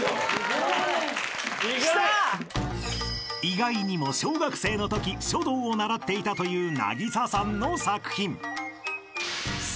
［意外にも小学生のとき書道を習っていたという渚さんの作品］